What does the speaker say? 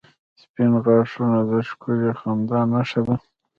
• سپین غاښونه د ښکلي خندا نښه ده.